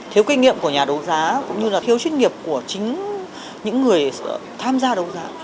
thiếu kinh nghiệm của nhà đấu giá cũng như là thiếu chuyên nghiệp của chính những người tham gia đấu giá